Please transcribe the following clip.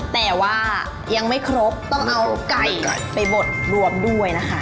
แต่ว่ายังไม่ครบต้องเอาไก่ไปบดรวมด้วยนะคะ